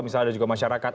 misalnya ada juga masyarakat